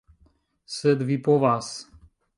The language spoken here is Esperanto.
Sed vi povas...